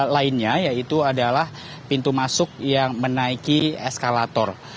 lainnya yaitu adalah pintu masuk yang menaiki eskalator